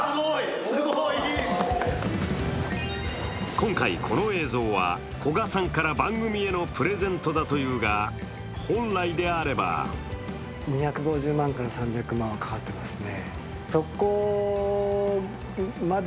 今回この映像は、古賀さんから番組へのプレゼントだというが、本来であれば裏側見てみると、知らないことありますね。